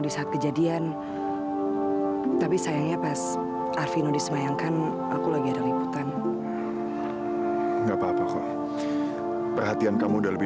ini kenangan satu satunya terakhir dari arvinoma